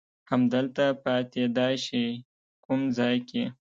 همدلته پاتېدای شې، کوم ځای کې؟